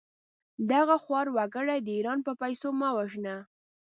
دغه خوار وګړي د ايران په پېسو مه وژنه!